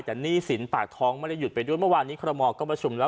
แต่หนี้สินปากท้องไม่ได้หยุดไปด้วยเมื่อวานนี้คอรมอลก็ประชุมแล้ว